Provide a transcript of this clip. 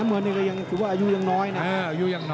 โอ้โหแดงโชว์แล้วโชว์อีกเลยเดี๋ยวดูผู้ดอลก่อน